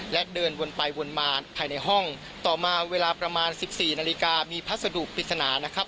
และเดินวนไปวนมาภายในห้องต่อมาเวลาประมาณสิบสี่นาฬิกามีพัสดุปริศนานะครับ